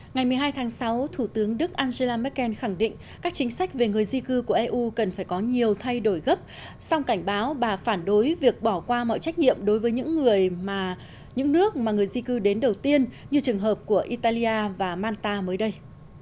ngày một mươi hai tháng sáu thủ tướng đức angela merkel khẳng định các chính sách về người di cư của eu cần phải có nhiều thay đổi gấp song cảnh báo bà phản đối việc bỏ qua mọi trách nhiệm đối với những nước mà người di cư đến đầu tiên như trường hợp của italia và manta mới đây